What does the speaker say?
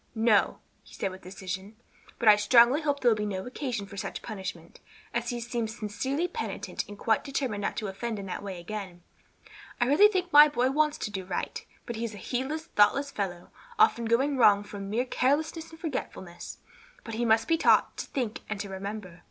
"No," he said with decision; "but I strongly hope there will be no occasion for such punishment, as he seems sincerely penitent and quite determined not to offend in that way again. I really think my boy wants to do right, but he is a heedless, thoughtless fellow, often going wrong from mere carelessness and forgetfulness. But he must be taught to think and to remember."